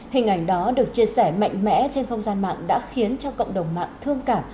hình ảnh đó được chia sẻ mạnh mẽ trên không gian mạng đã khiến cho cộng đồng mạng thương cảm